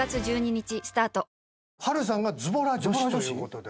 波瑠さんがズボラ女子ということで。